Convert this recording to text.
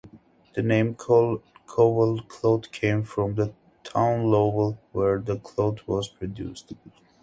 The name "Lowell cloth" came from the town Lowell where the cloth was produced.